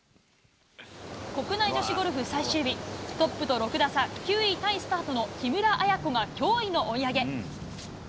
国内女子ゴルフ最終日、トップと６打差、９位タイスタートの木村彩子が驚異の追い上げ。